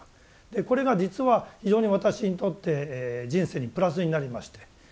でこれが実は非常に私にとって人生にプラスになりまして